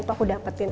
atau aku dapetin